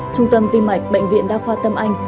trung tâm tim mạch bệnh viện đa khoa tâm anh